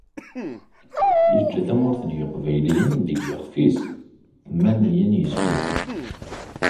Yeǧǧa Tamurt n Yiqbayliyen deg yixef-is tmanya n yiseggasen.